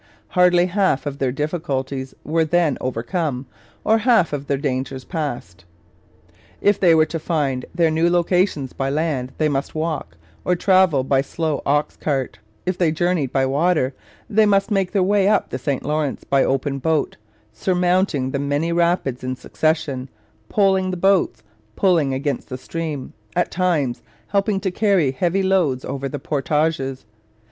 Hardly half of their difficulties were then overcome or half of their dangers passed. If they were to find their new locations by land, they must walk or travel by slow ox cart; if they journeyed by water, they must make their way up the St Lawrence by open boat, surmounting the many rapids in succession, poling the boats, pulling against the stream, at times helping to carry heavy loads over the portages.